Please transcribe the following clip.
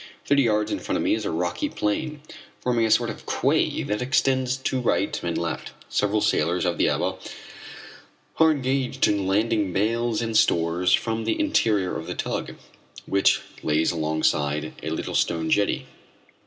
Thirty yards in front of me is a rocky plane, forming a sort of quay that extends to right and left. Several sailors of the Ebba are engaged in landing bales and stores from the interior of the tug, which lays alongside a little stone jetty.